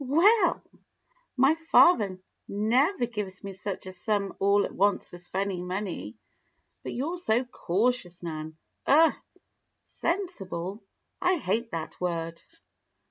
"Well! My father never gives me such a sum all at once for spending money. But you're so cautious, Nan. Ugh! 'sensible!' I hate that word!"